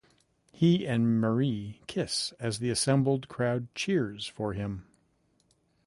He and Marie kiss as the assembled crowd cheers for him.